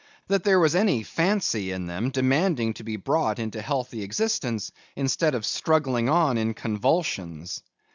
That there was any Fancy in them demanding to be brought into healthy existence instead of struggling on in convulsions?